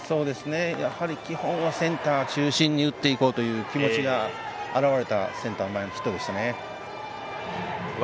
やはり基本はセンター中心に打っていこうという気持ちが表れたセンター前のヒットでした。